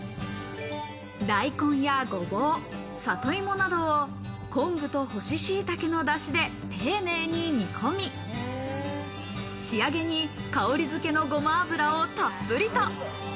大根やごぼう、里芋などを昆布と干ししいたけのだしで丁寧に煮込み、仕上げに香りづけのごま油をたっぷりと。